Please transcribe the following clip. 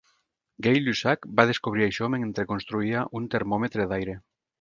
Gay Lussac va descobrir això mentre construïa un "termòmetre d'aire".